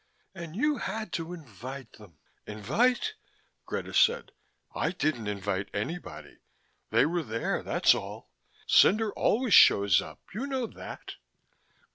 "And you had to invite them...." "Invite?" Greta said. "I didn't invite anybody. They were there, that's all. Cendar always shows up. You know that."